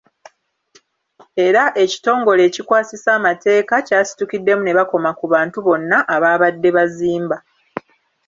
Era ekitongole ekikwasisa amateeka kyasitukiddemu ne bakoma ku bantu bonna abaabadde bazimba.